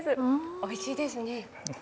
おいしいですね。